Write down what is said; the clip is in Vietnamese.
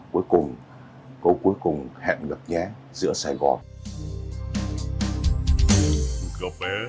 cuối cùng câu cuối cùng hẹn gặp nhé giữa sài gòn